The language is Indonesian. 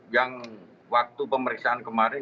yang waktu pemeriksaan kemarin